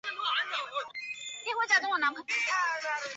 郑琦郑家人。